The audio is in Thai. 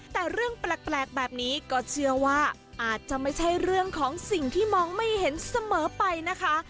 แต่เรื่องแปลกแบบนี้ก็เชื่อว่าอาจจะไม่ใช่เรื่องของสิ่งที่มองไม่เห็นเสมอไปนะคะ